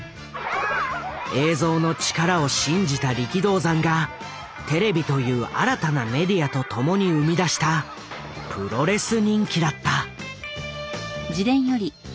映像の力を信じた力道山がテレビという新たなメディアと共に生み出したプロレス人気だった。